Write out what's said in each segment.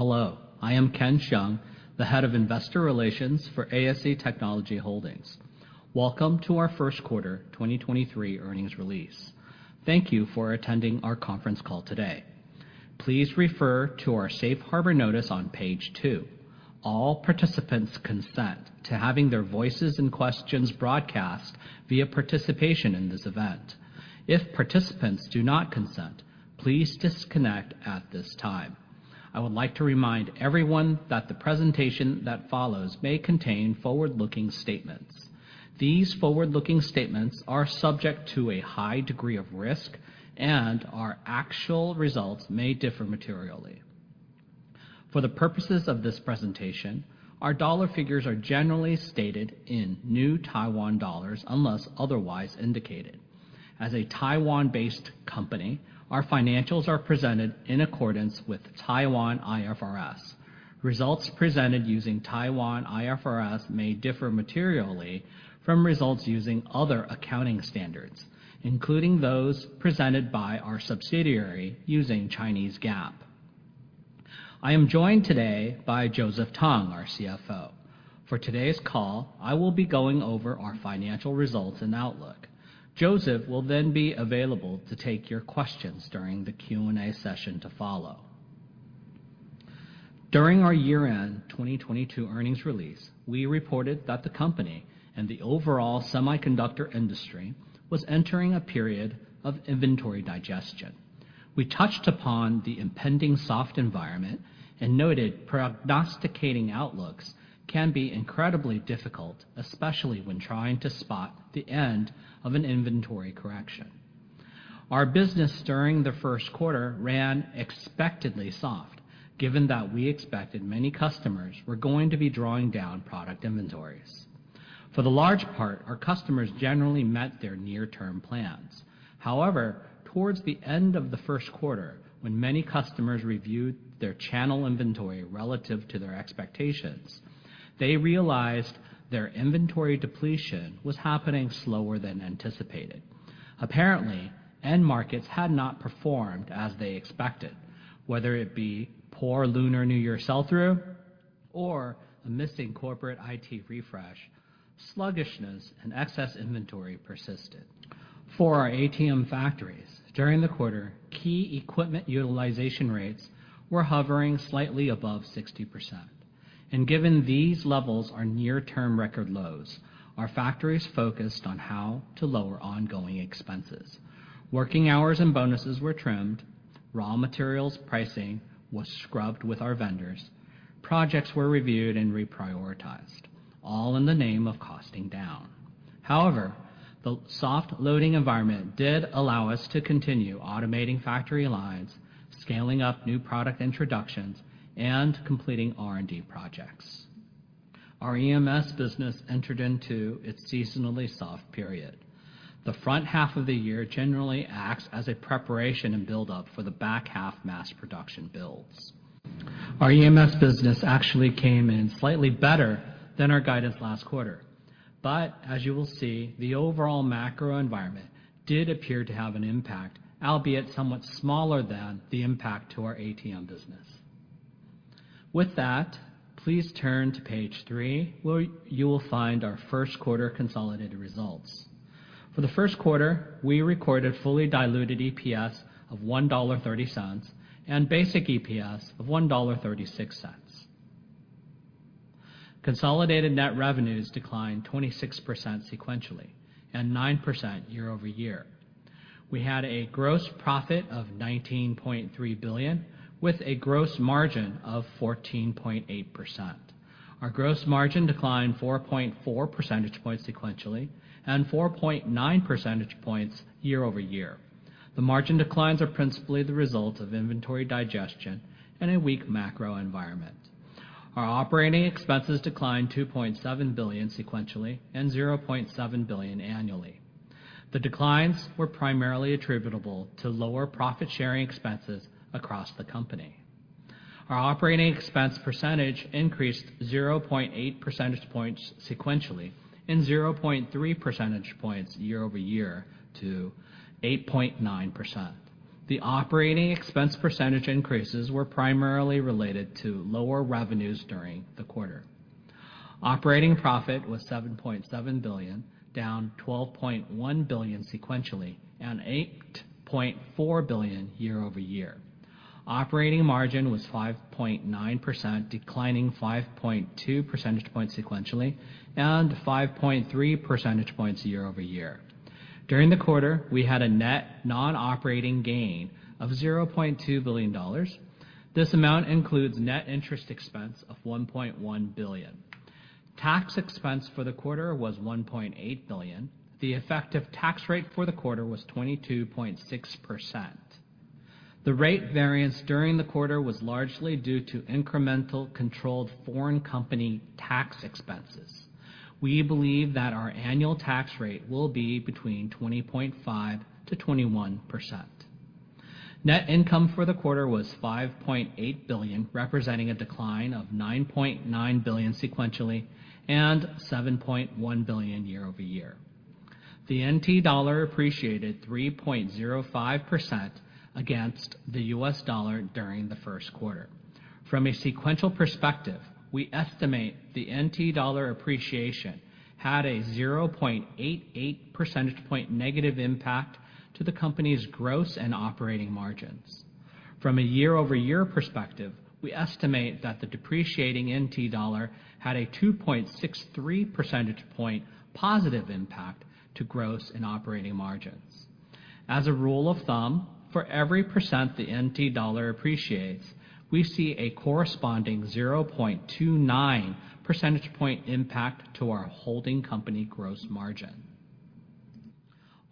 Hello, I am Ken Hsiung, the Head of Investor Relations for ASE Technology Holding. Welcome to our first quarter 2023 earnings release. Thank you for attending our conference call today. Please refer to our safe harbor notice on page 2. All participants consent to having their voices and questions broadcast via participation in this event. If participants do not consent, please disconnect at this time. I would like to remind everyone that the presentation that follows may contain forward-looking statements. These forward-looking statements are subject to a high degree of risk, our actual results may differ materially. For the purposes of this presentation, our dollar figures are generally stated in New Taiwan dollars unless otherwise indicated. As a Taiwan-based company, our financials are presented in accordance with Taiwan IFRS. Results presented using Taiwan IFRS may differ materially from results using other accounting standards, including those presented by our subsidiary using Chinese GAAP. I am joined today by Joseph Tung, our CFO. For today's call, I will be going over our financial results and outlook. Joseph will be available to take your questions during the Q&A session to follow. During our year-end 2022 earnings release, we reported that the company and the overall semiconductor industry was entering a period of inventory digestion. We touched upon the impending soft environment and noted prognosticating outlooks can be incredibly difficult, especially when trying to spot the end of an inventory correction. Our business during the first quarter ran expectedly soft, given that we expected many customers were going to be drawing down product inventories. For the large part, our customers generally met their near-term plans. However, towards the end of the first quarter, when many customers reviewed their channel inventory relative to their expectations, they realized their inventory depletion was happening slower than anticipated. Apparently, end markets had not performed as they expected, whether it be poor Lunar New Year sell-through or a missing corporate IT refresh, sluggishness and excess inventory persisted. For our ATM factories, during the quarter, key equipment utilization rates were hovering slightly above 60%. Given these levels are near-term record lows, our factories focused on how to lower ongoing expenses. Working hours and bonuses were trimmed. Raw materials pricing was scrubbed with our vendors. Projects were reviewed and reprioritized, all in the name of costing down. However, the soft loading environment did allow us to continue automating factory lines, scaling up new product introductions, and completing R&D projects. Our EMS business entered into its seasonally soft period. The front half of the year generally acts as a preparation and build-up for the back half mass production builds. Our EMS business actually came in slightly better than our guidance last quarter. As you will see, the overall macro environment did appear to have an impact, albeit somewhat smaller than the impact to our ATM business. With that, please turn to page 3, where you will find our first quarter consolidated results. For the first quarter, we recorded fully diluted EPS of 1.30 dollar and basic EPS of 1.36 dollar. Consolidated net revenues declined 26% sequentially and 9% year-over-year. We had a gross profit of 19.3 billion, with a gross margin of 14.8%. Our gross margin declined 4.4 percentage points sequentially and 4.9 percentage points year-over-year. The margin declines are principally the result of inventory digestion and a weak macro environment. Our operating expenses declined 2.7 billion sequentially and 0.7 billion annually. The declines were primarily attributable to lower profit sharing expenses across the company. Our operating expense percentage increased 0.8 percentage points sequentially and 0.3 percentage points year-over-year to 8.9%. The operating expense percentage increases were primarily related to lower revenues during the quarter. Operating profit was 7.7 billion, down 12.1 billion sequentially and 8.4 billion year-over-year. Operating margin was 5.9%, declining 5.2 percentage points sequentially and 5.3 percentage points year-over-year. During the quarter, we had a net non-operating gain of 0.2 billion dollars. This amount includes net interest expense of 1.1 billion. Tax expense for the quarter was 1.8 billion. The effective tax rate for the quarter was 22.6%. The rate variance during the quarter was largely due to incremental controlled foreign corporation tax expenses. We believe that our annual tax rate will be between 20.5%-21%. Net income for the quarter was 5.8 billion, representing a decline of 9.9 billion sequentially and 7.1 billion year-over-year. The NT dollar appreciated 3.05% against the U.S. dollar during the first quarter. From a sequential perspective, we estimate the NT dollar appreciation had a 0.88 percentage point negative impact to the company's gross and operating margins. From a year-over-year perspective, we estimate that the depreciating NT dollar had a 2.63 percentage point positive impact to gross and operating margins. As a rule of thumb, for every % the NT dollar appreciates, we see a corresponding 0.29 percentage point impact to our holding company gross margin.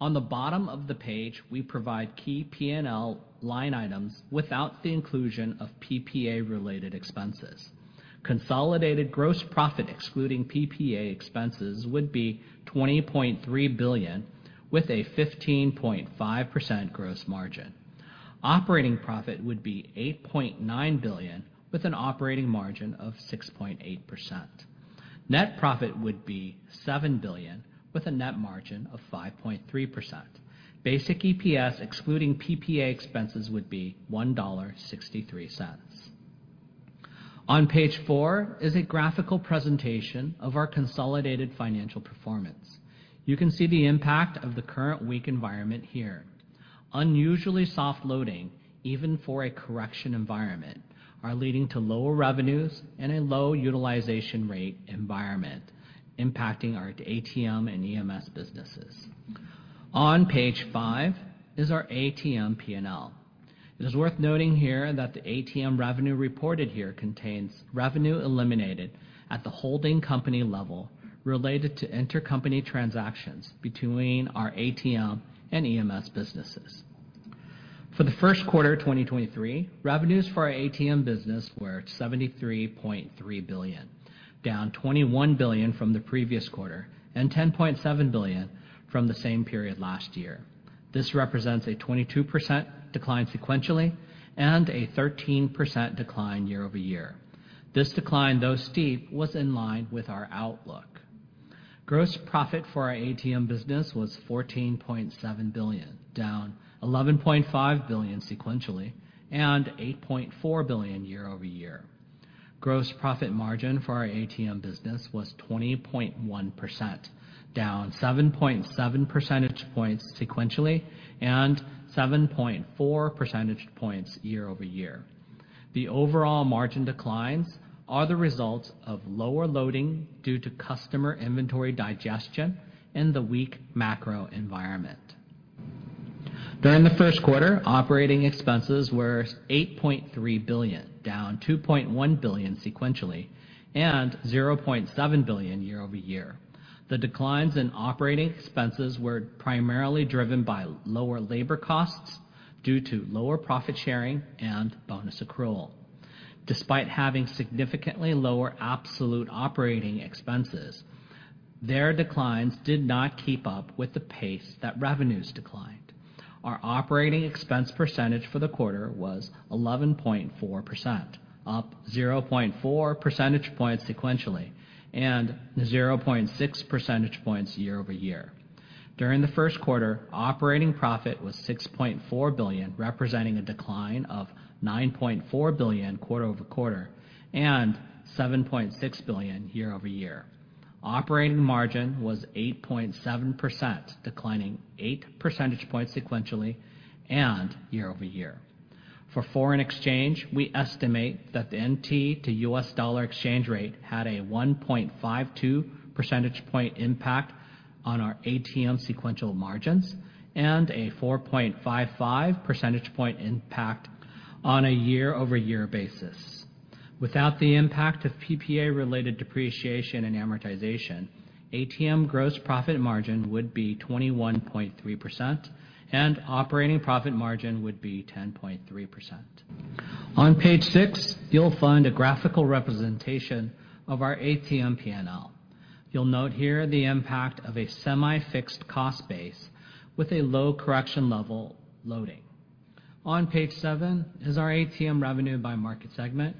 On the bottom of the page, we provide key P&L line items without the inclusion of PPA related expenses. Consolidated gross profit excluding PPA expenses would be 20.3 billion, with a 15.5% gross margin. Operating profit would be 8.9 billion with an operating margin of 6.8%. Net profit would be 7 billion with a 5.3% net margin. Basic EPS excluding PPA expenses would be 1.63 dollar. On page 4 is a graphical presentation of our consolidated financial performance. You can see the impact of the current weak environment here. Unusually soft loading, even for a correction environment, are leading to lower revenues and a low utilization rate environment impacting our ATM and EMS businesses. On page 5 is our ATM P&L. It is worth noting here that the ATM revenue reported here contains revenue eliminated at the holding company level related to intercompany transactions between our ATM and EMS businesses. For the first quarter of 2023, revenues for our ATM business were 73.3 billion, down 21 billion from the previous quarter and 10.7 billion from the same period last year. This represents a 22% decline sequentially and a 13% decline year-over-year. This decline, though steep, was in line with our outlook. Gross profit for our ATM business was 14.7 billion, down 11.5 billion sequentially and 8.4 billion year-over-year. Gross profit margin for our ATM business was 20.1%, down 7.7 percentage points sequentially and 7.4 percentage points year-over-year. The overall margin declines are the result of lower loading due to customer inventory digestion in the weak macro environment. During the first quarter, operating expenses were 8.3 billion, down 2.1 billion sequentially and 0.7 billion year-over-year. The declines in operating expenses were primarily driven by lower labor costs due to lower profit sharing and bonus accrual. Despite having significantly lower absolute operating expenses, their declines did not keep up with the pace that revenues declined. Our operating expense % for the quarter was 11.4%, up 0.4 percentage points sequentially and 0.6 percentage points year-over-year. During the first quarter, operating profit was 6.4 billion, representing a decline of 9.4 billion quarter-over-quarter and 7.6 billion year-over-year. Operating margin was 8.7%, declining 8 percentage points sequentially and year-over-year. For foreign exchange, we estimate that the NT dollar to U.S. dollar exchange rate had a 1.52 percentage point impact on our ATM sequential margins and a 4.55 percentage point impact on a year-over-year basis. Without the impact of PPA-related depreciation and amortization, ATM gross profit margin would be 21.3% and operating profit margin would be 10.3%. On page six, you'll find a graphical representation of our ATM P&L. You'll note here the impact of a semi-fixed cost base with a low correction level loading. On page seven is our ATM revenue by market segment.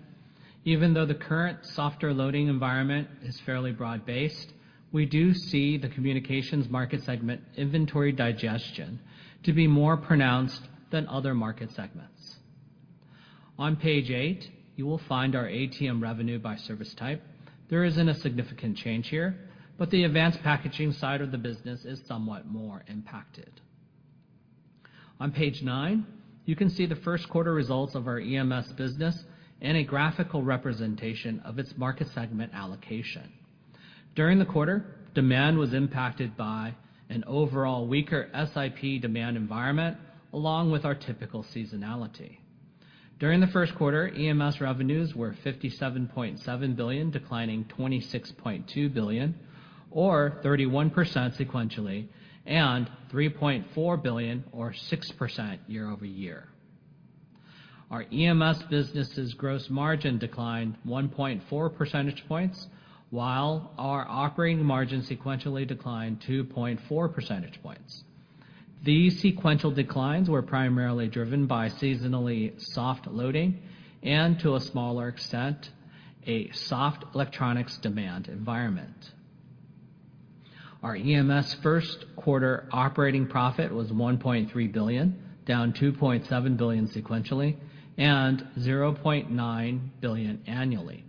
Even though the current softer loading environment is fairly broad-based, we do see the communications market segment inventory digestion to be more pronounced than other market segments. On page eight, you will find our ATM revenue by service type. There isn't a significant change here, but the advanced packaging side of the business is somewhat more impacted. On page nine, you can see the first quarter results of our EMS business and a graphical representation of its market segment allocation. During the quarter, demand was impacted by an overall weaker SIP demand environment along with our typical seasonality. During the first quarter, EMS revenues were 57.7 billion, declining 26.2 billion or 31% sequentially and 3.4 billion or 6% year-over-year. Our EMS business' gross margin declined 1.4 percentage points, while our operating margin sequentially declined 2.4 percentage points. These sequential declines were primarily driven by seasonally soft loading and to a smaller extent, a soft electronics demand environment. Our EMS first quarter operating profit was 1.3 billion, down 2.7 billion sequentially, and 0.9 billion annually.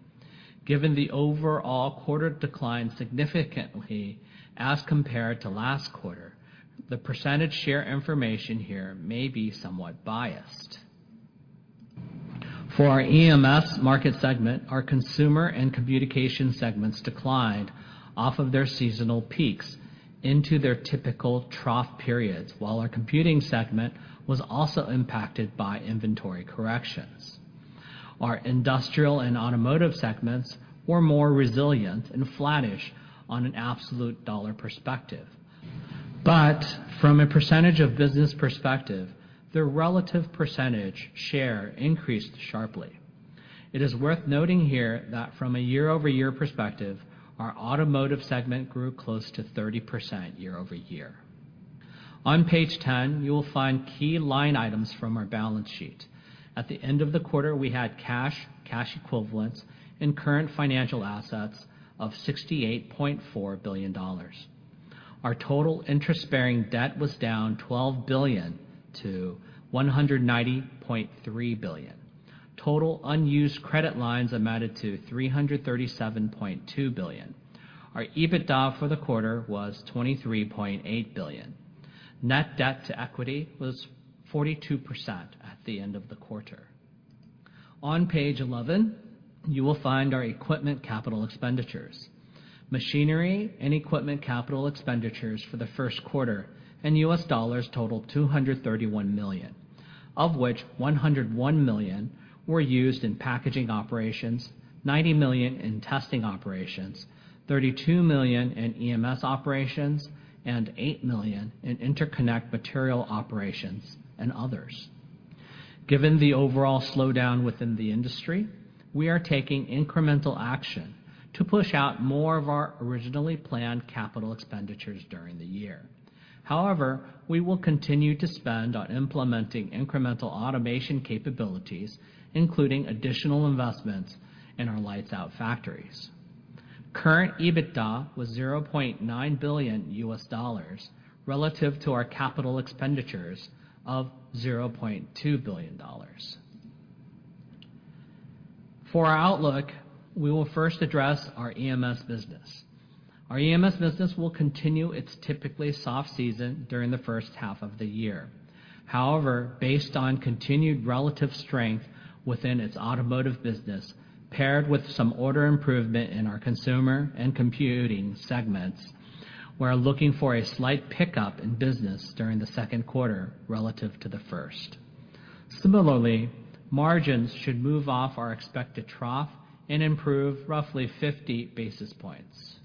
Given the overall quarter decline significantly as compared to last quarter, the percentage share information here may be somewhat biased. For our EMS market segment, our consumer and communication segments declined off of their seasonal peaks into their typical trough periods, while our computing segment was also impacted by inventory corrections. Our industrial and automotive segments were more resilient and flattish on an absolute TWD perspective. From a % of business perspective, their relative % share increased sharply. It is worth noting here that from a year-over-year perspective, our automotive segment grew close to 30% year-over-year. On page 10, you will find key line items from our balance sheet. At the end of the quarter, we had cash equivalents, and current financial assets of 68.4 billion dollars. Our total interest-bearing debt was down 12 billion to 190.3 billion. Total unused credit lines amounted to 337.2 billion. Our EBITDA for the quarter was 23.8 billion. Net debt to equity was 42% at the end of the quarter. On page 11, you will find our equipment CapEx. Machinery and equipment capital expenditures for the first quarter in U.S. dollars totaled $231 million, of which $101 million were used in packaging operations, $90 million in testing operations, $32 million in EMS operations, and $8 million in interconnect material operations and others. Given the overall slowdown within the industry, we are taking incremental action to push out more of our originally planned capital expenditures during the year. However, we will continue to spend on implementing incremental automation capabilities, including additional investments in our lights-out factories. Current EBITDA was $0.9 billion relative to our capital expenditures of $0.2 billion. For our outlook, we will first address our EMS business. Our EMS business will continue its typically soft season during the first half of the year. Based on continued relative strength within its automotive business, paired with some order improvement in our consumer and computing segments, we're looking for a slight pickup in business during the second quarter relative to the first. Margins should move off our expected trough and improve roughly 50 basis points.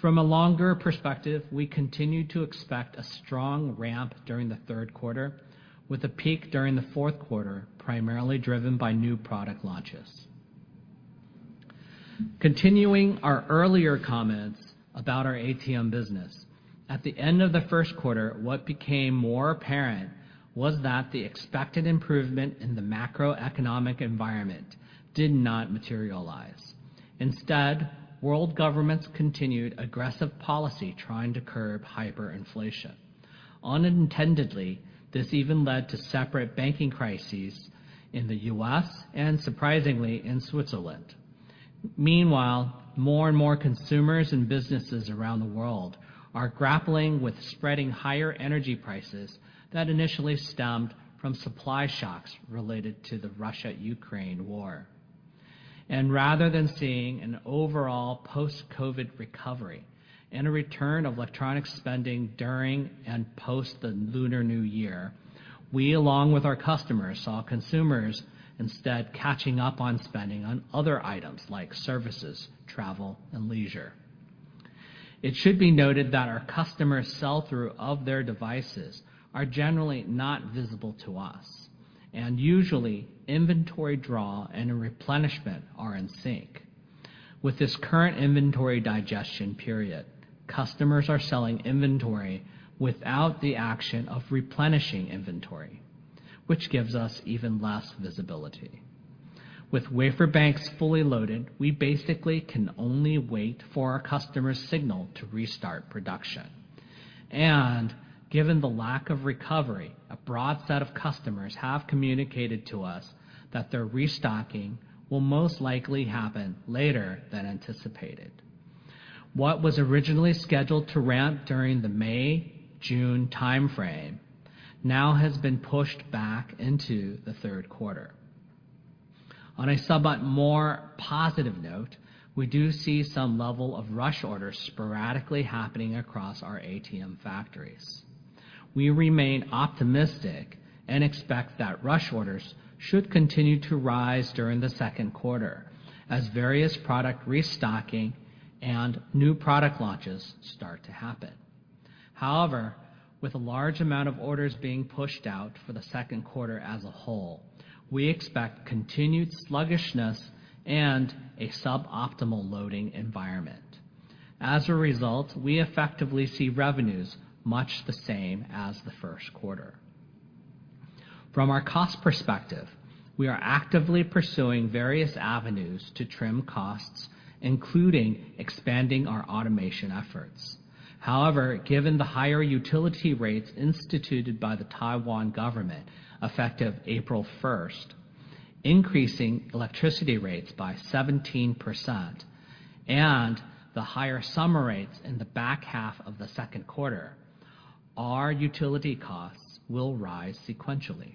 From a longer perspective, we continue to expect a strong ramp during the third quarter with a peak during the fourth quarter, primarily driven by new product launches. Continuing our earlier comments about our ATM business, at the end of the first quarter, what became more apparent was that the expected improvement in the macroeconomic environment did not materialize. World governments continued aggressive policy trying to curb hyperinflation. This even led to separate banking crises in the U.S. and surprisingly in Switzerland. Meanwhile, more and more consumers and businesses around the world are grappling with spreading higher energy prices that initially stemmed from supply shocks related to the Russia-Ukraine war. Rather than seeing an overall post-COVID recovery and a return of electronic spending during and post the Lunar New Year, we, along with our customers, saw consumers instead catching up on spending on other items like services, travel, and leisure. It should be noted that our customers' sell-through of their devices are generally not visible to us, and usually, inventory draw and a replenishment are in sync. With this current inventory digestion period, customers are selling inventory without the action of replenishing inventory, which gives us even less visibility. With wafer banks fully loaded, we basically can only wait for our customers' signal to restart production. Given the lack of recovery, a broad set of customers have communicated to us that their restocking will most likely happen later than anticipated. What was originally scheduled to ramp during the May, June timeframe now has been pushed back into the third quarter. On a somewhat more positive note, we do see some level of rush orders sporadically happening across our ATM factories. We remain optimistic and expect that rush orders should continue to rise during the second quarter as various product restocking and new product launches start to happen. With a large amount of orders being pushed out for the second quarter as a whole, we expect continued sluggishness and a suboptimal loading environment. We effectively see revenues much the same as the first quarter. From our cost perspective, we are actively pursuing various avenues to trim costs, including expanding our automation efforts. However, given the higher utility rates instituted by the Taiwan government effective April 1st, increasing electricity rates by 17% and the higher summer rates in the back half of the 2nd quarter, our utility costs will rise sequentially.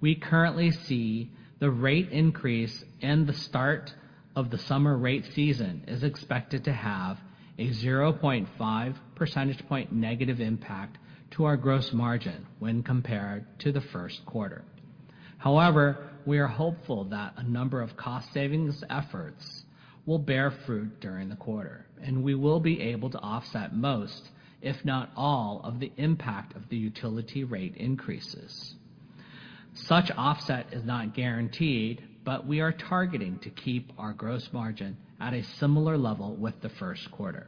We currently see the rate increase and the start of the summer rate season is expected to have a 0.5 percentage point negative impact to our gross margin when compared to the 1st quarter. However, we are hopeful that a number of cost savings efforts will bear fruit during the quarter, and we will be able to offset most, if not all, of the impact of the utility rate increases. Such offset is not guaranteed, but we are targeting to keep our gross margin at a similar level with the 1st quarter.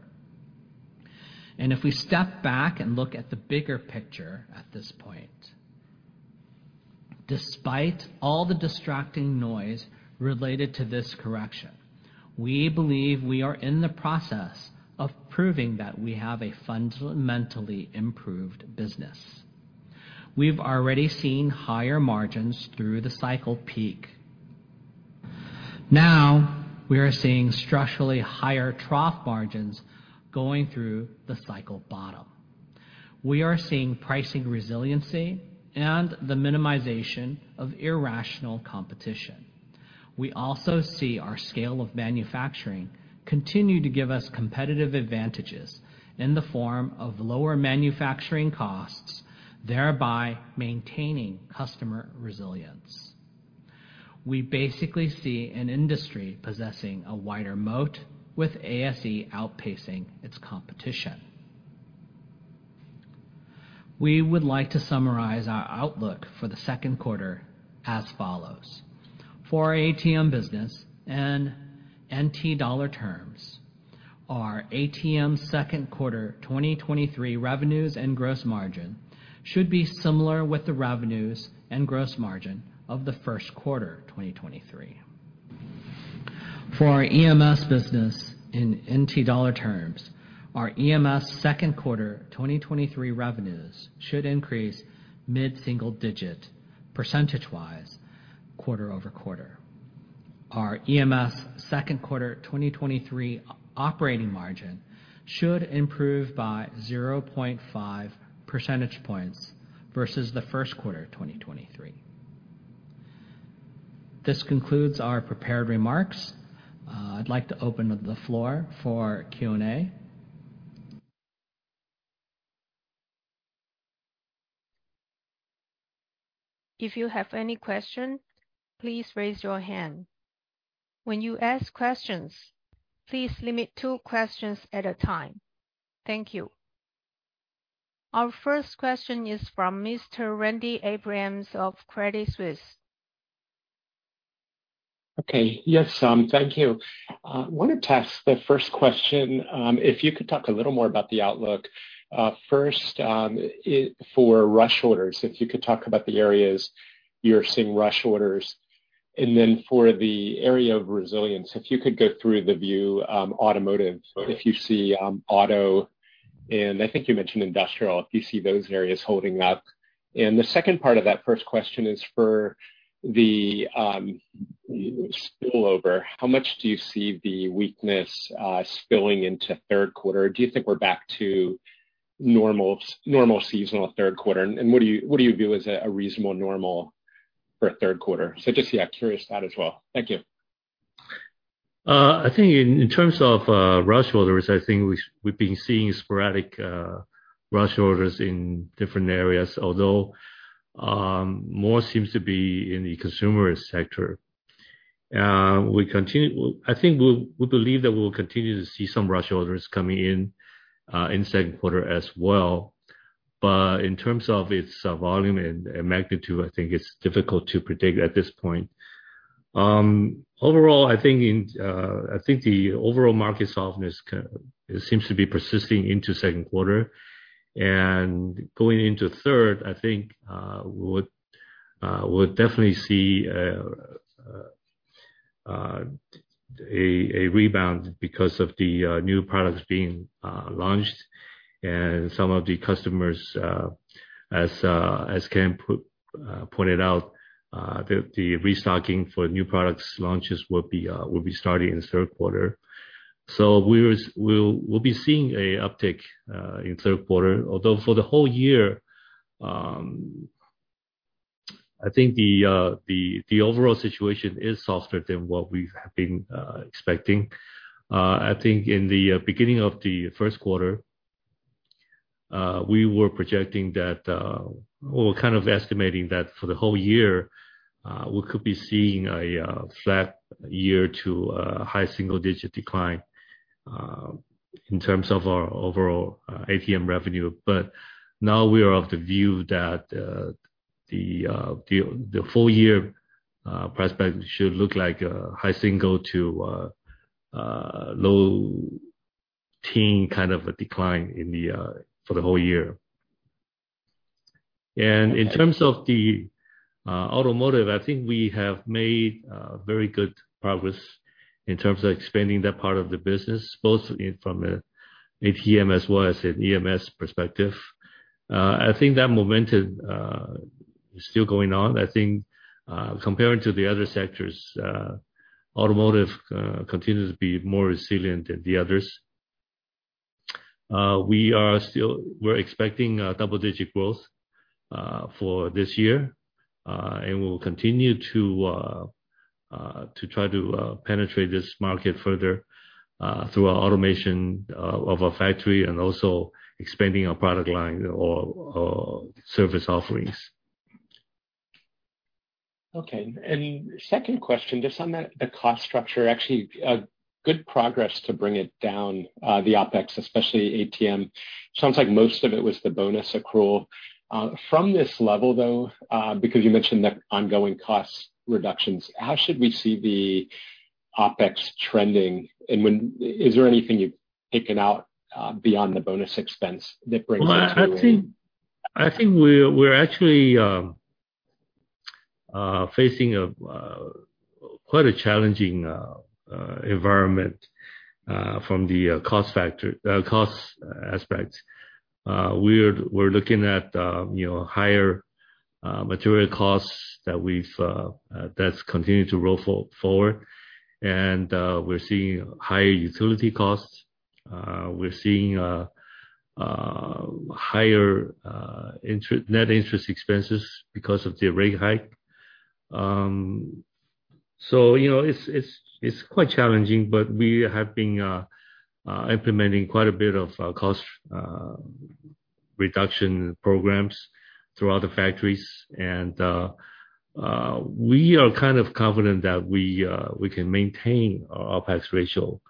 If we step back and look at the bigger picture at this point, despite all the distracting noise related to this correction, we believe we are in the process of proving that we have a fundamentally improved business. We've already seen higher margins through the cycle peak. Now we are seeing structurally higher trough margins going through the cycle bottom. We are seeing pricing resiliency and the minimization of irrational competition. We also see our scale of manufacturing continue to give us competitive advantages in the form of lower manufacturing costs, thereby maintaining customer resilience. We basically see an industry possessing a wider moat with ASE outpacing its competition. We would like to summarize our outlook for the second quarter as follows. For our ATM business in NT dollar terms, our ATM second quarter 2023 revenues and gross margin should be similar with the revenues and gross margin of the first quarter 2023. For our EMS business in NT dollar terms, our EMS second quarter 2023 revenues should increase mid-single digit percentage-wise quarter-over-quarter. Our EMS second quarter 2023 operating margin should improve by 0.5 percentage points versus the first quarter 2023. This concludes our prepared remarks. I'd like to open up the floor for Q&A. If you have any question, please raise your hand. When you ask questions, please limit two questions at a time. Thank you. Our first question is from Mr. Randy Abrams of Credit Suisse. Okay. Yes, thank you. Wanted to ask the first question, if you could talk a little more about the outlook. First, for rush orders, if you could talk about the areas you're seeing rush orders. For the area of resilience, if you could go through the view, automotive. If you see auto, and I think you mentioned industrial, if you see those areas holding up. The second part of that first question is for the spillover. How much do you see the weakness spilling into third quarter? Do you think we're back to normal seasonal third quarter? What do you view as a reasonable normal for third quarter? Just, yeah, curious to that as well. Thank you. I think in terms of rush orders, I think we've been seeing sporadic rush orders in different areas, although more seems to be in the consumer sector. We believe that we'll continue to see some rush orders coming in in second quarter as well. In terms of its volume and magnitude, I think it's difficult to predict at this point. Overall, I think the overall market softness seems to be persisting into second quarter. Going into third, I think we'll definitely see a rebound because of the new products being launched. Some of the customers, as Ken pointed out, the restocking for new products launches will be starting in the third quarter. We'll be seeing a uptick in third quarter. Although for the whole year, I think the overall situation is softer than what we've been expecting. I think in the beginning of the first quarter, we were projecting that we were kind of estimating that for the whole year, we could be seeing a flat year to a high single-digit decline in terms of our overall ATM revenue. Now we are of the view that the full year prospect should look like a high single to low-teen kind of a decline in the for the whole year. In terms of the automotive, I think we have made very good progress in terms of expanding that part of the business, both in, from a ATM as well as an EMS perspective.I think that momentum is still going on. I think, comparing to the other sectors, automotive continues to be more resilient than the others. We're expecting a double-digit growth for this year, and we will continue to try to penetrate this market further through our automation of our factory and also expanding our product line or service offerings. Okay. Second question, just on the cost structure. Actually, a good progress to bring it down, the OpEx, especially ATM. Sounds like most of it was the bonus accrual. From this level, though, because you mentioned the ongoing cost reductions, how should we see the OpEx trending? Is there anything you've taken out beyond the bonus expense that brings this to you? Well, I think we're actually facing a quite a challenging environment from the cost factor, cost aspect. We're looking at, you know, higher material costs that we've that's continued to roll forward. We're seeing higher utility costs. We're seeing higher net interest expenses because of the rate hike. You know, it's quite challenging, but we have been implementing quite a bit of cost reduction programs throughout the factories. We are kind of confident that we can maintain our OpEx ratio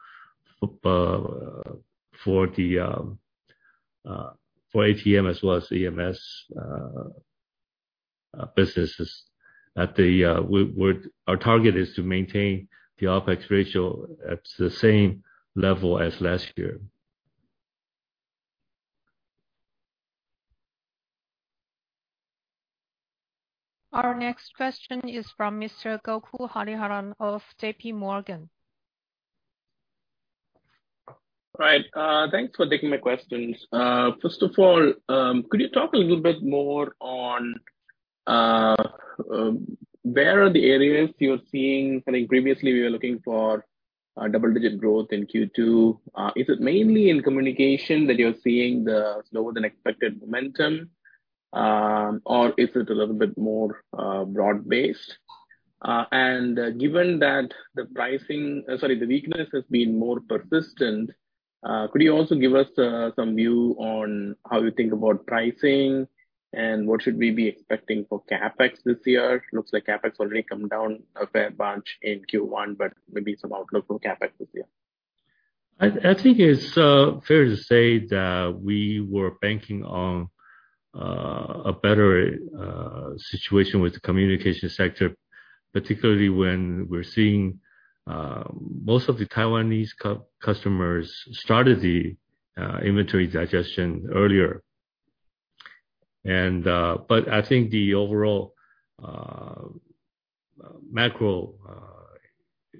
for for the for ATM as well as EMS businesses. Our target is to maintain the OpEx ratio at the same level as last year. Our next question is from Mr. Gokul Hariharan of J.P. Morgan. Right. Thanks for taking my questions. First of all, could you talk a little bit more on where are the areas you're seeing? I think previously we were looking for a double-digit growth in Q2. Is it mainly in communication that you're seeing the slower than expected momentum, or is it a little bit more broad-based? Given that the pricing, sorry, the weakness has been more persistent, could you also give us some view on how you think about pricing and what should we be expecting for CapEx this year? Looks like CapEx already come down a fair bunch in Q1, but maybe some outlook for CapEx this year. I think it's fair to say that we were banking on a better situation with the communication sector, particularly when we're seeing most of the Taiwanese customers started the inventory digestion earlier. I think the overall macro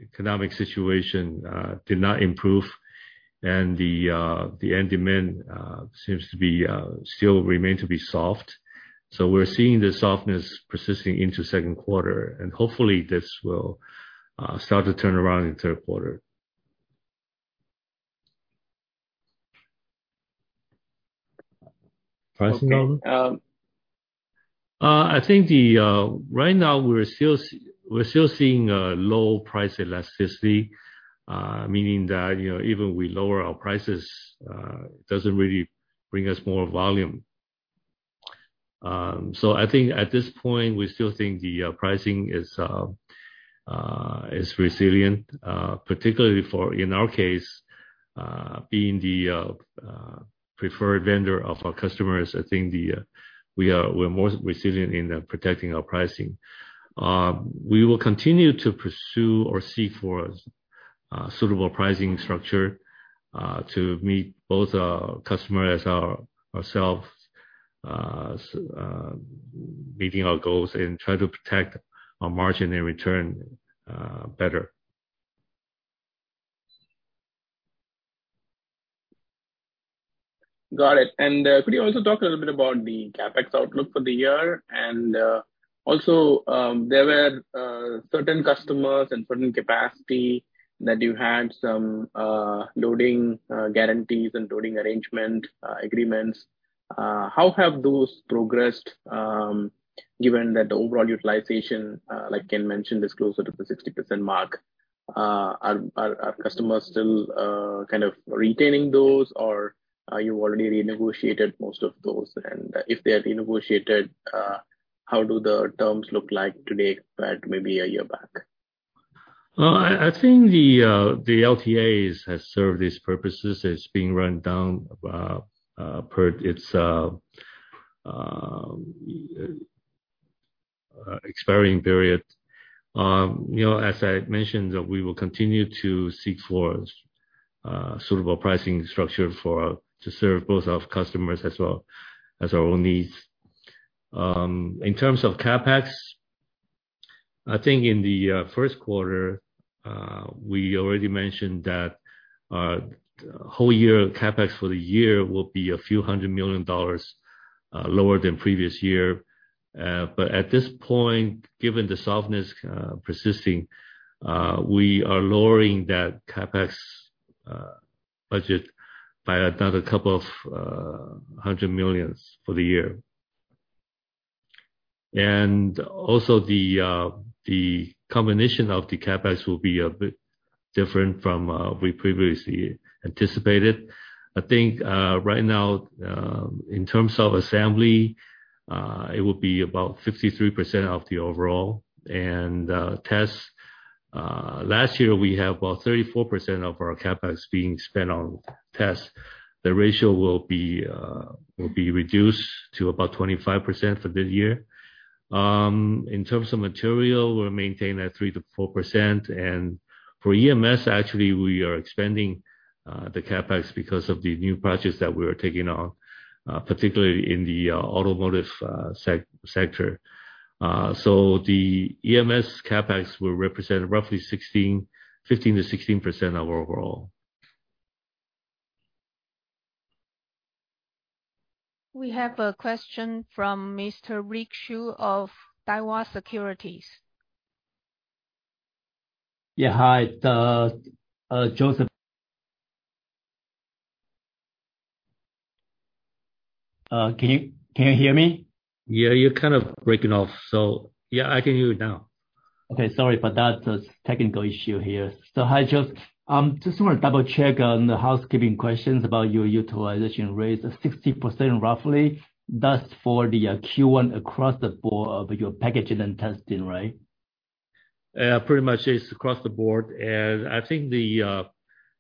economic situation did not improve and the end demand seems to be still remain to be soft. We're seeing the softness persisting into second quarter, and hopefully this will start to turn around in third quarter. Pricing model? Okay. I think the right now we're still seeing a low price elasticity, meaning that, you know, even we lower our prices, it doesn't really bring us more volume. I think at this point, we still think the pricing is resilient, particularly for, in our case, being the preferred vendor of our customers. I think the we are, we're more resilient in protecting our pricing. We will continue to pursue or seek for suitable pricing structure, to meet both our customers, ourselves, meeting our goals and try to protect our margin and return better. Got it. Could you also talk a little bit about the CapEx outlook for the year? Also, there were certain customers and certain capacity that you had some loading guarantees and loading arrangement agreements. How have those progressed, given that the overall utilization, like Ken mentioned, is closer to the 60% mark? Are customers still kind of retaining those or are you already renegotiated most of those? If they are renegotiated, how do the terms look like today compared to maybe a year back? I think the LTAs has served its purposes. It's being run down per its expiring period. You know, as I mentioned, we will continue to seek for suitable pricing structure for, to serve both our customers as well as our own needs. In terms of CapEx, I think in the first quarter, we already mentioned that whole year CapEx for the year will be a few hundred million dollars lower than previous year. But at this point, given the softness persisting, we are lowering that CapEx budget by another couple of hundred millions for the year. Also the combination of the CapEx will be a bit different from we previously anticipated. I think, right now, in terms of assembly, it will be about 53% of the overall. Tests, last year we have about 34% of our CapEx being spent on tests. The ratio will be reduced to about 25% for this year. In terms of material, we'll maintain at 3%-4%. For EMS, actually we are expanding the CapEx because of the new projects that we are taking on, particularly in the automotive sector. The EMS CapEx will represent roughly 15%-16% of overall. We have a question from Mr. Rick Hsu of Daiwa Securities. Yeah, hi, Joseph. Can you hear me? Yeah, you're kind of breaking off, so. Yeah, I can hear you now. Okay, sorry for that. There's technical issue here. Hi, Joseph. just want to double check on the housekeeping questions about your utilization rate, 60% roughly. That's for the Q1 across the board of your packaging and testing, right? Yeah, pretty much it's across the board. I think the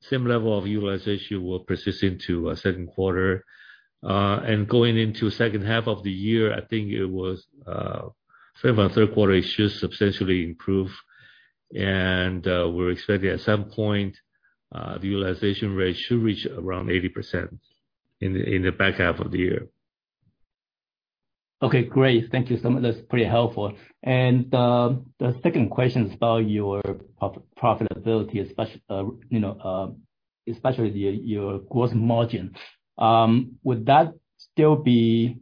same level of utilization will persist into second quarter. Going into second half of the year, I think it was second and third quarter, it should substantially improve. We're expecting at some point, the utilization rate should reach around 80% in the back half of the year. Okay, great. Thank you so much. That's pretty helpful. The second question is about your profitability, you know, especially the, your gross margin. Would that still be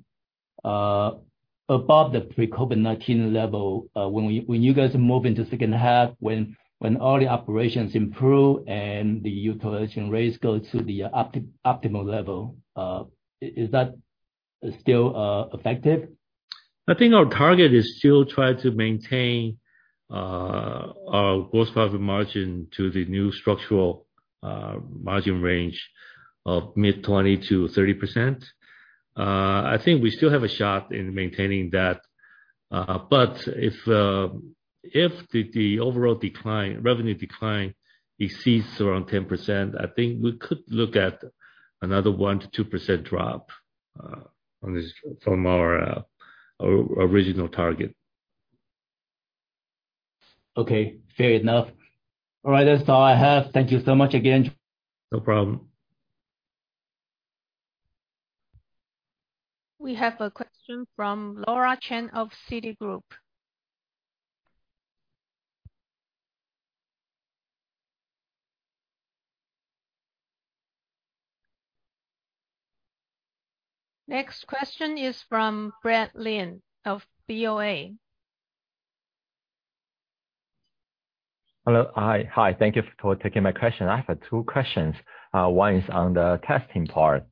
above the pre-COVID-19 level, when we, when you guys move into second half, when all the operations improve and the utilization rates go to the optimal level, is that still effective? I think our target is still try to maintain our gross profit margin to the new structural margin range of mid-20% to 30%. I think we still have a shot in maintaining that. If, if the overall decline, revenue decline exceeds around 10%, I think we could look at another 1%-2% drop on this from our or original target. Okay, fair enough. All right, that's all I have. Thank you so much again. No problem. We have a question from Laura Chen of Citigroup. Next question is from Brad Lin of Bank of America. Hello. Hi, hi. Thank you for taking my question. I have two questions. one is on the testing part.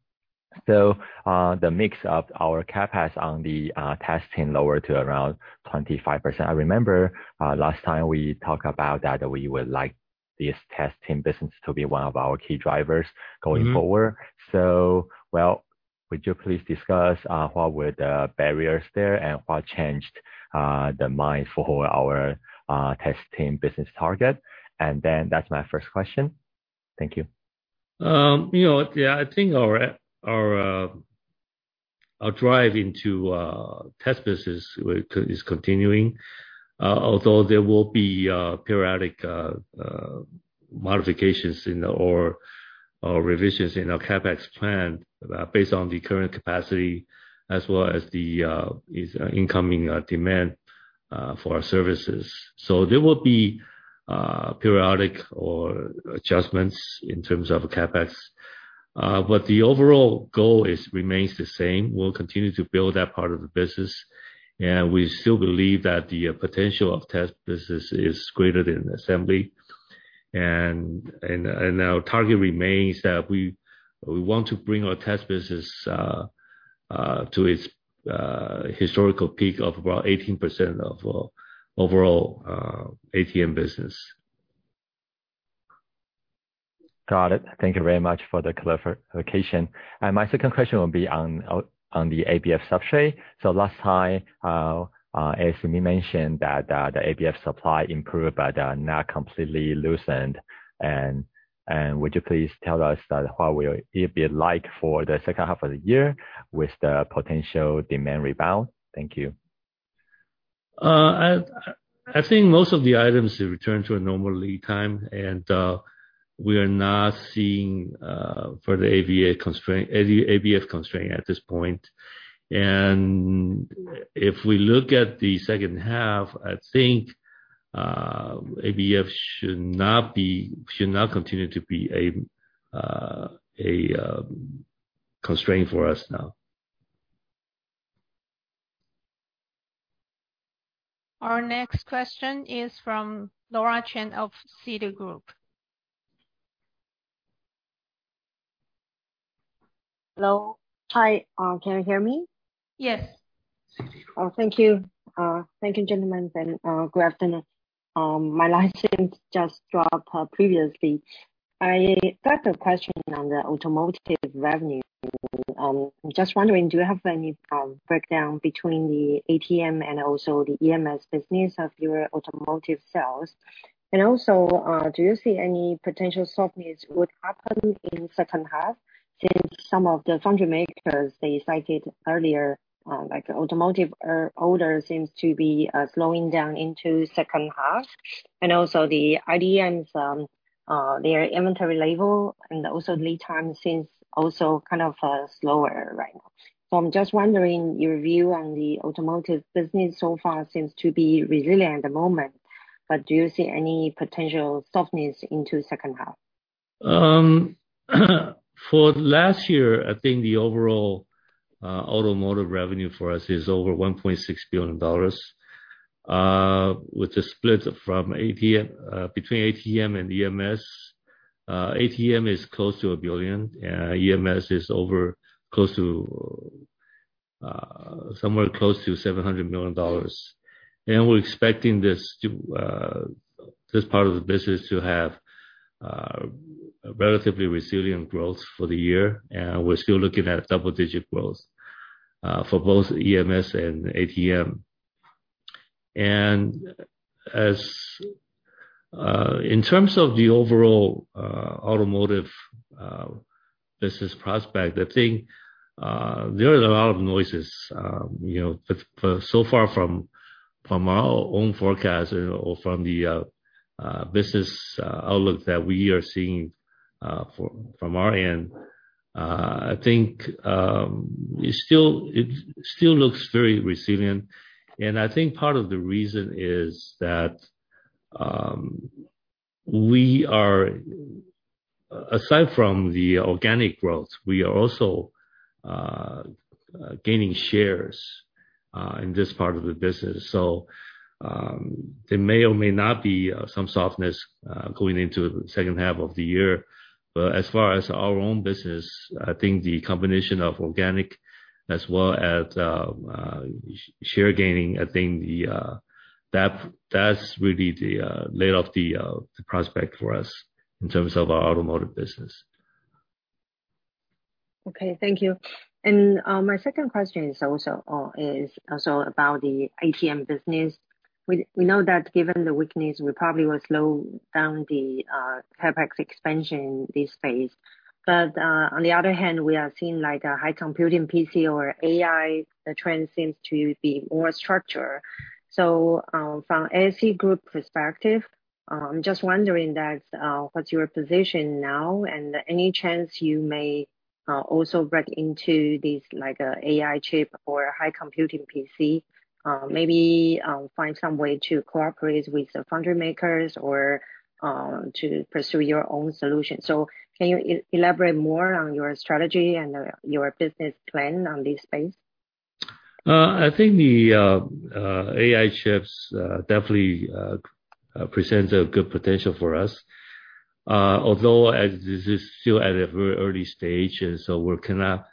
The mix of our CapEx on the, testing lowered to around 25%. I remember, last time we talked about that, we would like this testing business to be one of our key drivers going forward. Well, would you please discuss what were the barriers there and what changed the minds for our testing business target? That's my first question. Thank you. You know, yeah, I think our drive into test business is continuing, although there will be periodic modifications in our, or revisions in our CapEx plan, based on the current capacity as well as the incoming demand for our services. There will be periodic or adjustments in terms of CapEx. The overall goal is remains the same. We'll continue to build that part of the business, and we still believe that the potential of test business is greater than assembly. Our target remains that we want to bring our test business to its historical peak of about 18% of overall ATM business. Got it. Thank you very much for the clarification. My second question will be on the ABF substrate. Last time, SEMCO mentioned that the ABF supply improved but not completely loosened. Would you please tell us that what will it be like for the second half of the year with the potential demand rebound? Thank you. I think most of the items have returned to a normal lead time, and we are not seeing for the ABF constraint at this point. If we look at the second half, I think ABF should not continue to be a constraint for us now. Our next question is from Laura Chen of Citigroup. Hello. Hi. Can you hear me? Yes. Oh, thank you. Thank you, gentlemen, good afternoon. My line seems just dropped previously. I got a question on the automotive revenue. Just wondering, do you have any breakdown between the ATM and also the EMS business of your automotive sales? Do you see any potential softness would happen in second half since some of the foundry makers, they cited earlier, like automotive orders seems to be slowing down into second half. The IDMs, their inventory level and also lead time seems also kind of slower right now. I'm just wondering your view on the automotive business so far seems to be resilient at the moment, but do you see any potential softness into second half? For last year, I think the overall automotive revenue for us is over $1.6 billion with the split between ATM and EMS. ATM is close to $1 billion, and EMS is over close to, somewhere close to $700 million. We're expecting this to this part of the business to have a relatively resilient growth for the year. We're still looking at double-digit growth for both EMS and ATM. As, in terms of the overall automotive business prospect, I think, there is a lot of noises, you know, but so far from our own forecast or from the business outlook that we are seeing from our end, I think, it still looks very resilient. I think part of the reason is that, Aside from the organic growth, we are also gaining shares in this part of the business. There may or may not be some softness going into the second half of the year. As far as our own business, I think the combination of organic as well as share gaining, I think that's really the laid off the prospect for us in terms of our automotive business. Okay. Thank you. My second question is also about the ATM business. We know that given the weakness, we probably will slow down the CapEx expansion in this phase. On the other hand, we are seeing like a high computing PC or AI, the trend seems to be more structured. From ASE Group perspective, just wondering that what's your position now and any chance you may also break into this like a AI chip or high computing PC, maybe find some way to cooperate with the foundry makers or to pursue your own solution. Can you elaborate more on your strategy and your business plan on this space? I think the AI chips definitely presents a good potential for us. Although as this is still at a very early stage, we cannot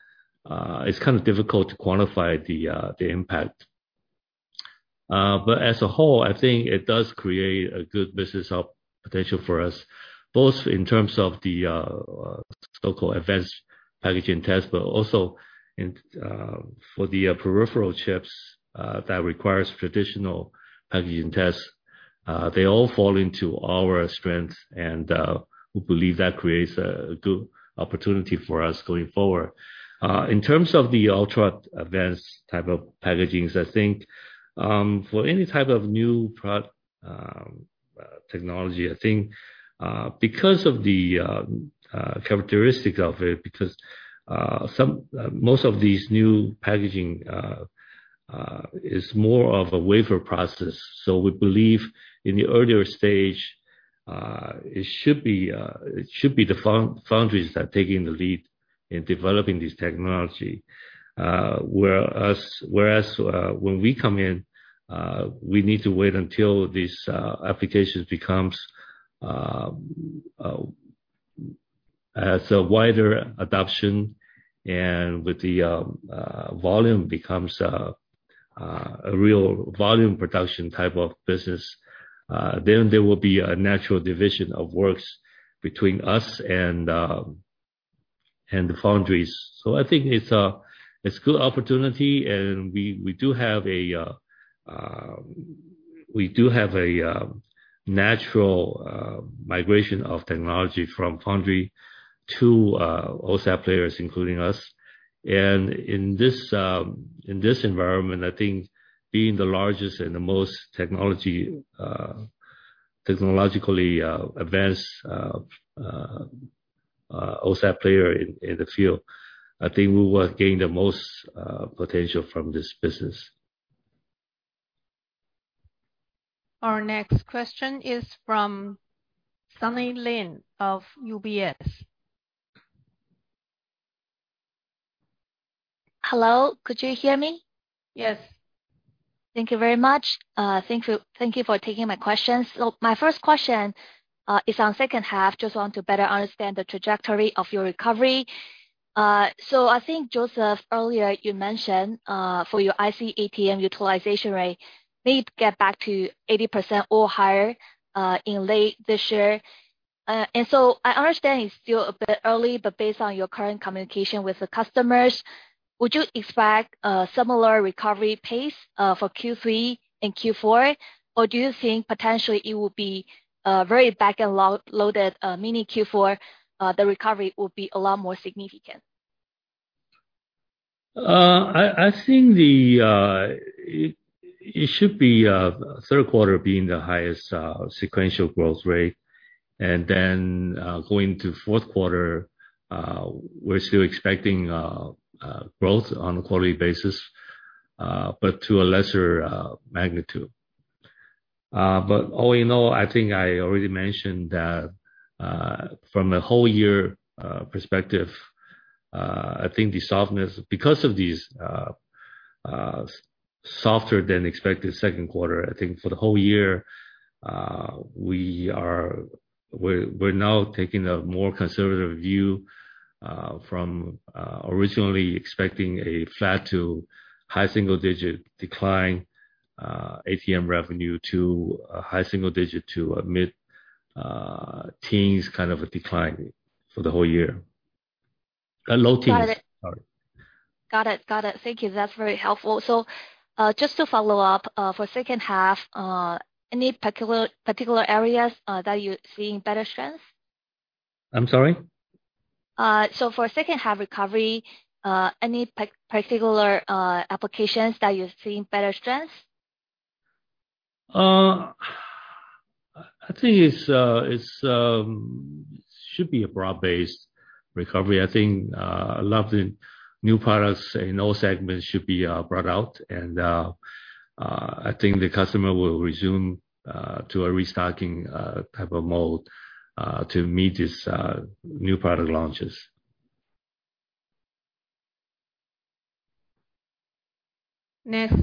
it's kind of difficult to quantify the impact. As a whole, I think it does create a good business op potential for us, both in terms of the so-called advanced packaging test, but also in for the peripheral chips that requires traditional packaging tests. They all fall into our strengths, we believe that creates a good opportunity for us going forward. In terms of the ultra-advanced type of packagings, I think, for any type of new prod, technology, I think, because of the characteristic of it, because most of these new packaging is more of a wafer process. We believe in the earlier stage, it should be the foundries that are taking the lead in developing this technology. Whereas, when we come in, we need to wait until this applications becomes has a wider adoption and with the volume becomes a real volume production type of business. There will be a natural division of works between us and the foundries. I think it's a, it's good opportunity, and we do have a natural migration of technology from foundry to OSAT players including us. In this environment, I think being the largest and the most technologically advanced OSAT player in the field, I think we will gain the most potential from this business. Our next question is from Sunny Lin of UBS. Hello, could you hear me? Yes. Thank you very much. Thank you for taking my questions. My first question is on second half. Just want to better understand the trajectory of your recovery. I think, Joseph, earlier you mentioned for your IC ATM utilization rate may get back to 80% or higher in late this year. I understand it's still a bit early. Based on your current communication with the customers, would you expect a similar recovery pace for Q3 and Q4? Or do you think potentially it will be very back-end loaded, meaning Q4, the recovery will be a lot more significant? Third quarter being the highest, sequential growth rate. And then, going to fourth quarter we're still expecting growth on a quarterly basis but to a lesser magnitude. But all in all, I think I already mentioned that from a whole year perspective I think the softness. Because of this softer than expected second quarter, I think for the whole year we are, we're now taking a more conservative view from originally expecting a flat to high single digit decline ATM revenue to a high single digit to mid teens, kind of a decline for the whole year. Low teens. Got it. Sorry. Got it. Got it. Thank you. That's very helpful. Just to follow up for second half, any particular areas that you're seeing better strengths? I'm sorry? For second half recovery, any particular applications that you're seeing better strengths? I think it's should be a broad-based recovery. I think a lot of the new products in all segments should be brought out. I think the customer will resume to a restocking type of mode to meet these new product launches. Next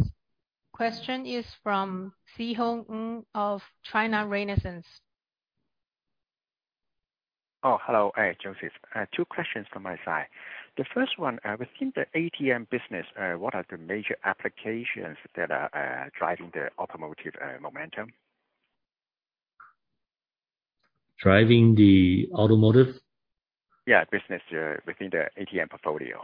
question is from Szeho Ng of China Renaissance. Oh, hello. Hey, Joseph. Two questions from my side. The first one, within the ATM business, what are the major applications that are driving the automotive momentum? Driving the automotive? Yeah, business, within the ATM portfolio.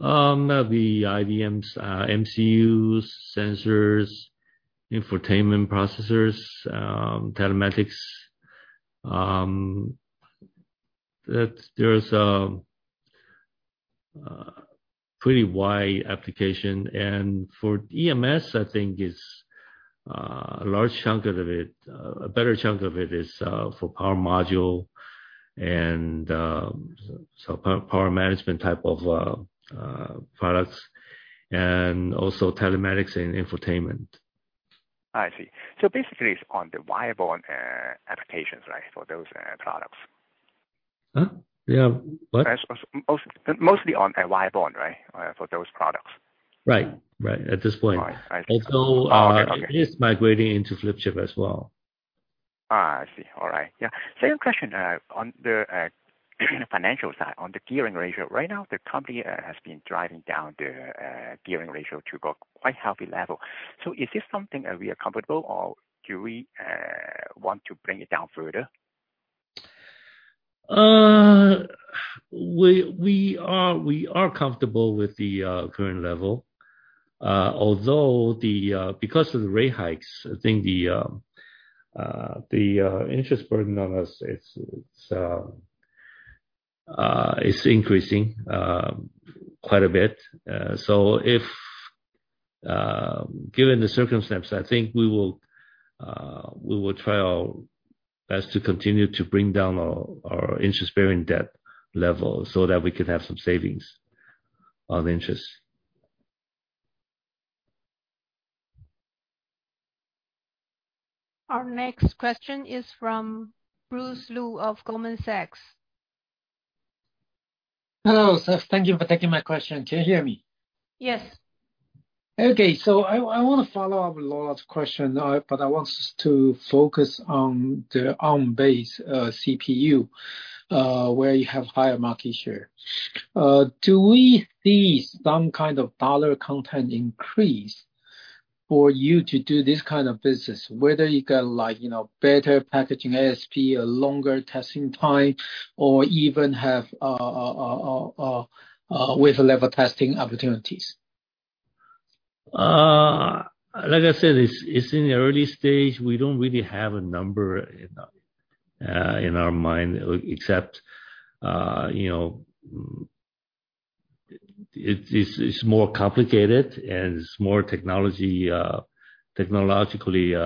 The IDMs, MCUs, sensors, infotainment processors, telematics. There's pretty wide application. For EMS, I think it's a large chunk of it, a better chunk of it is for power module and so power management type of products, and also telematics and infotainment. I see. Basically it's on the wire bond applications, right? For those products. Huh? Yeah. What? Most, mostly on a wire bond, right? For those products. Right. Right. At this point. All right. I see. Although Okay. Okay. it is migrating into flip chip as well. I see. All right. Yeah. Second question, on the financial side, on the gearing ratio. Right now, the company has been driving down the gearing ratio to go quite healthy level. Is this something that we are comfortable or do we want to bring it down further? We are comfortable with the current level. Although the because of the rate hikes, I think the interest burden on us it's increasing quite a bit. If given the circumstance, I think we will try our best to continue to bring down our interest bearing debt level so that we can have some savings on interest. Our next question is from Bruce Lu of Goldman Sachs. Hello, sir. Thank you for taking my question. Can you hear me? Yes. Okay. I wanna follow up with Laura's question, but I want to focus on the Arm-based CPU where you have higher market share. Do we see some kind of dollar content increase for you to do this kind of business, whether you got like, you know, better packaging ASP or longer testing time, or even have wafer-level testing opportunities? Like I said, it's in the early stage. We don't really have a number in our mind, except, you know, it's, it's more complicated and it's more technologically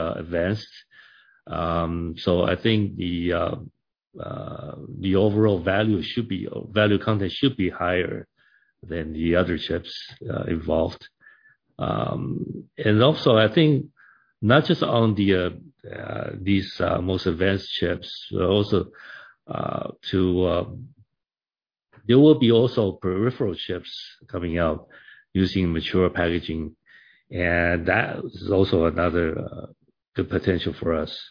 advanced. I think the overall value should be, value content should be higher than the other chips involved. I think not just on the these most advanced chips, but also there will be also peripheral chips coming out using mature packaging, that is also another good potential for us.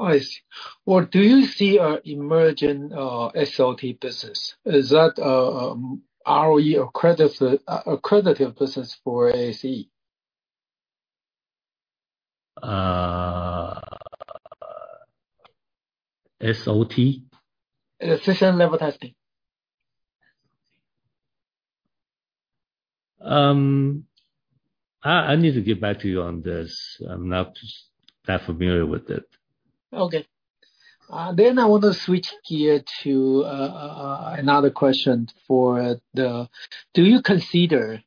I see. Well, do you see a emerging SOT business? Is that ROE accredited business for ASE? SOT? System Level Testing. I need to get back to you on this. I'm not that familiar with it. Okay. I wanna switch gear to another question. Do you consider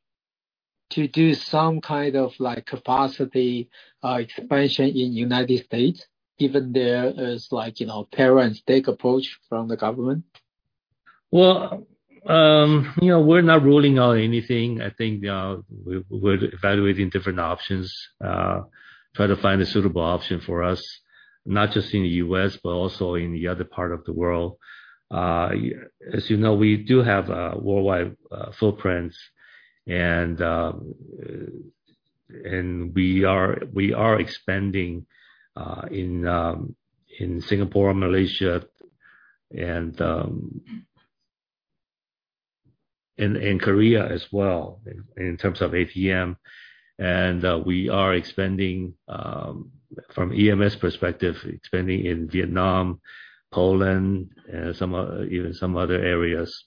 to do some kind of, like, capacity expansion in United States given there is like, you know, tariff stake approach from the government? Well, you know, we're not ruling out anything. I think we're evaluating different options, try to find a suitable option for us, not just in the U.S., but also in the other part of the world. As you know, we do have worldwide footprints and we are expanding in Singapore, Malaysia, and in Korea as well in terms of ATM. We are expanding from EMS perspective, expanding in Vietnam, Poland, even some other areas.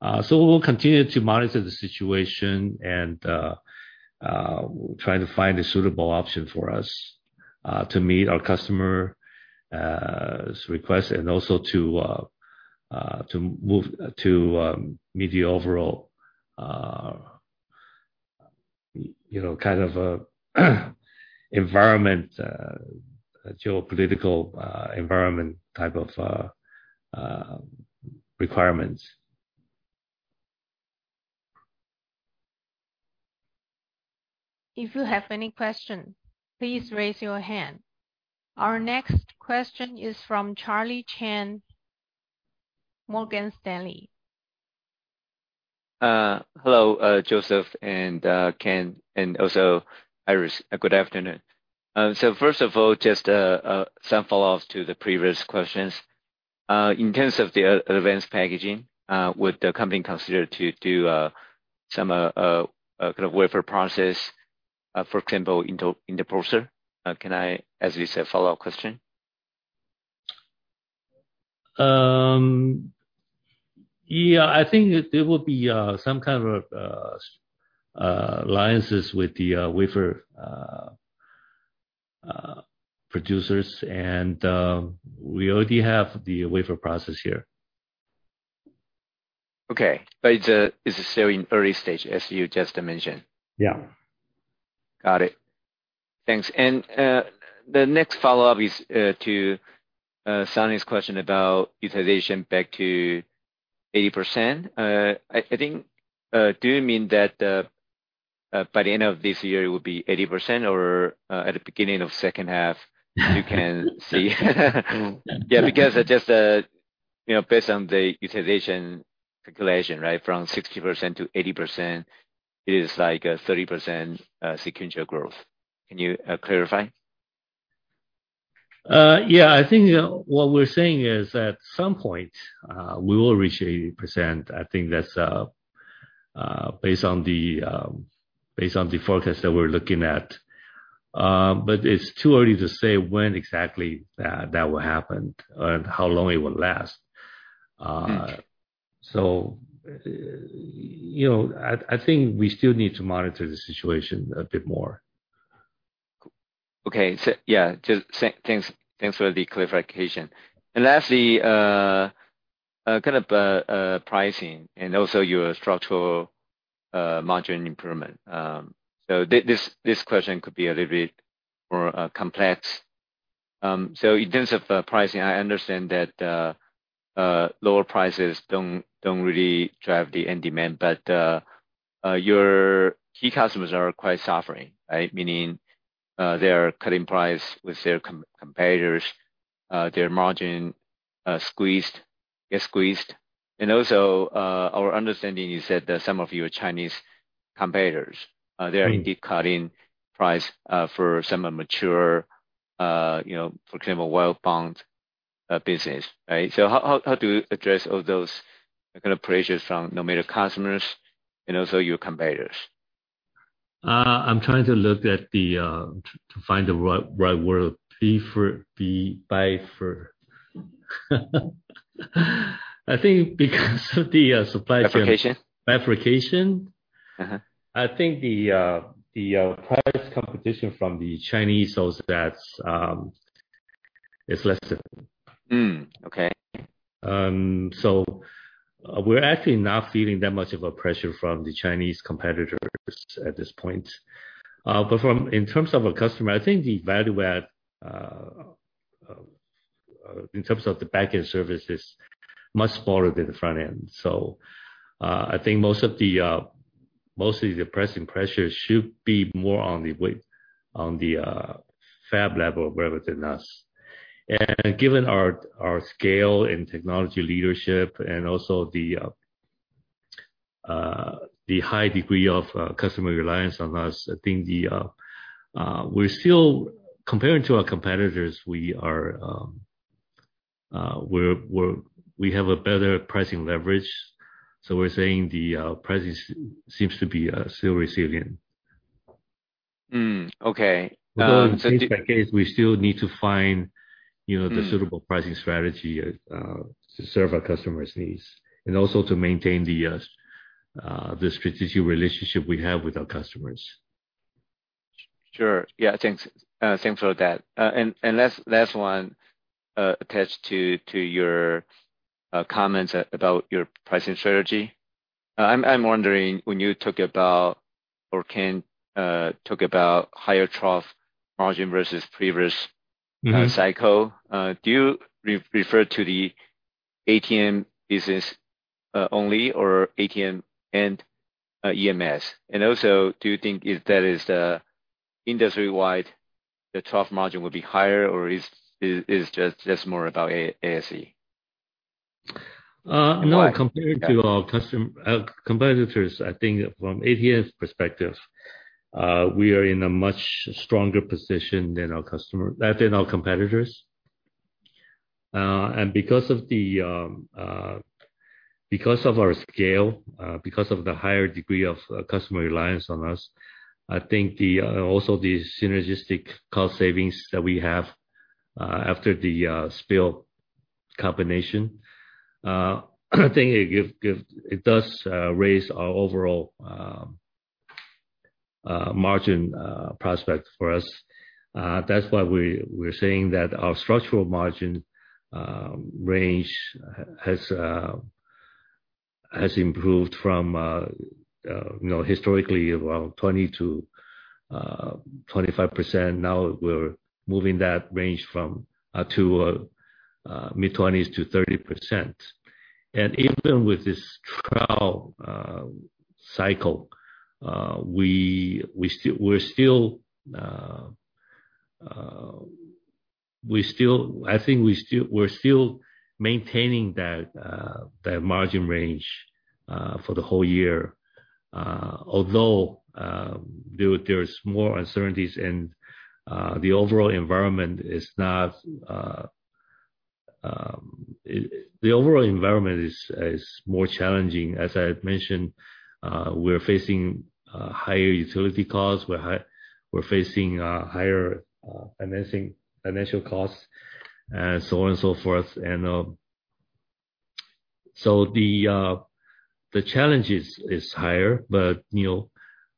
We'll continue to monitor the situation and try to find a suitable option for us to meet our customer request and also to meet the overall, you know, kind of, environment, geopolitical environment type of requirements. If you have any question, please raise your hand. Our next question is from Charlie Chan, Morgan Stanley. Hello, Joseph and Ken and also Iris. Good afternoon. First of all, just some follow-ups to the previous questions. In terms of the advanced packaging, would the company consider to do some kind of wafer process, for example, interposer? Can I, as you said, follow-up question? Yeah. I think there will be some kind of alliances with the wafer producers and we already have the wafer process here. Okay. It's still in early stage as you just mentioned. Got it. Thanks. The next follow-up is to Sunny's question about utilization back to 80%. I think, do you mean that by the end of this year it will be 80% or at the beginning of second half you can see? Yeah, because just, you know, based on the utilization calculation, right, from 60% to 80% is like a 30% sequential growth. Can you clarify? Yeah. I think what we're saying is at some point, we will reach 80%. I think that's based on the forecast that we're looking at. It's too early to say when exactly that will happen and how long it will last, you know, I think we still need to monitor the situation a bit more. Okay. Yeah, just thanks for the clarification. Lastly, kind of pricing and also your structural margin improvement. This question could be a little bit more complex. In terms of pricing, I understand that lower prices don't really drive the end demand, but your key customers are quite suffering, right? Meaning, they're cutting price with their competitors, their margin get squeezed. Also, our understanding is that some of your Chinese competitors, they are indeed cutting price for some mature, you know, for example, wire bond business, right? How to address all those kind of pressures from no matter customers and also your competitors. I'm trying to look at the, to find the right word. Fee for, buy for. I think because of the, supply chain. Fabrication. Fabrication. I think the the price competition from the Chinese sources that's is less than. Okay. We're actually not feeling that much of a pressure from the Chinese competitors at this point. In terms of a customer, I think the value add, in terms of the back-end service is much smaller than the front end. I think most of the, most of the pressing pressures should be more on the fab level rather than us. Given our scale and technology leadership and also the high degree of customer reliance on us, I think the, comparing to our competitors, we are, we're, we have a better pricing leverage. We're saying the prices seems to be still resilient. Okay. In case, we still need to find, you know. The suitable pricing strategy, to serve our customers' needs. Also to maintain the strategic relationship we have with our customers. Sure. Yeah. Thanks. thanks for that. Last one, attached to your, comments about your pricing strategy. I'm wondering when you talk about or Ken, talk about higher trough margin versus previous cycle. Do you refer to the ATM business only or ATM and EMS? Also, do you think if that is the industry-wide, the trough margin would be higher or is just more about ASE? No. Why? Compared to our competitors, I think from ATM's perspective, we are in a much stronger position than our competitors. Because of our scale, because of the higher degree of customer reliance on us, I think the also the synergistic cost savings that we have, after the SPIL combination, I think it does raise our overall margin prospect for us. That's why we're saying that our structural margin range has improved from, you know, historically around 20% to 25%. Now we're moving that range from to mid-20s% to 30%. Even with this trough, cycle, we're still, I think we're still maintaining that margin range, for the whole year, although, there is more uncertainties and, the overall environment is more challenging. As I had mentioned, we're facing higher utility costs, we're facing higher financing, financial costs, so on and so forth. The challenge is higher. You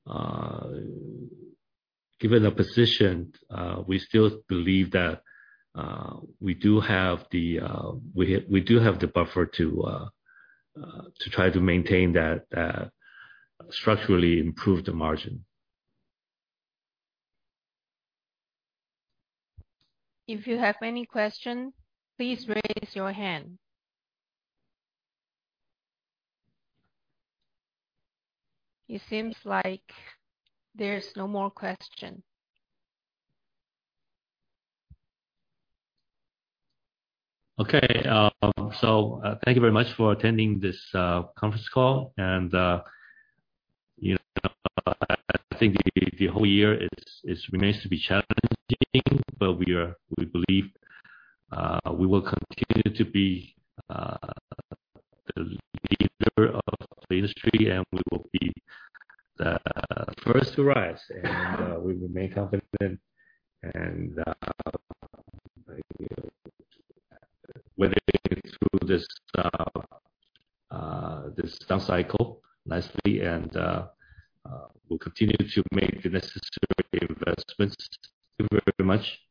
know, given our position, we still believe that we do have the buffer to try to maintain that, structurally improve the margin. If you have any question, please raise your hand. It seems like there's no more question. Thank you very much for attending this conference call. You know, I think the whole year is remains to be challenging, but we believe, we will continue to be the leader of the industry and we will be the first to rise. We remain confident and, whether through this down cycle nicely and, we'll continue to make the necessary investments. Thank you very much.